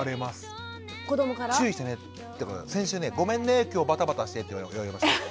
先週ね「ごめんねきょうバタバタして」って言われました。